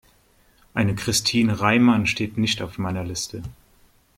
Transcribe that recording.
Eine Christin Reimann steht nicht auf meiner Liste.